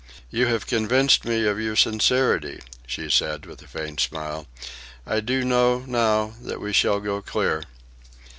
"You have convinced me of your sincerity," she said, with a faint smile. "I do know, now, that we shall go clear."